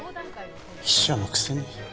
秘書のくせに。